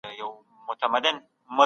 د پارکونو ساتنه وکړئ.